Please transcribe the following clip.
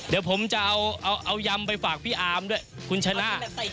เดี๋ยวผมจะเอายำไปฝากพี่อาร์มด้วยคุณชนะ